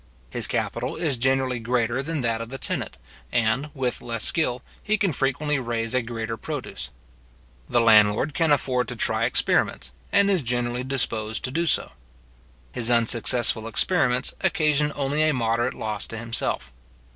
His capital is generally greater than that of the tenant, and, with less skill, he can frequently raise a greater produce. The landlord can afford to try experiments, and is generally disposed to do so. His unsuccessful experiments occasion only a moderate loss to himself.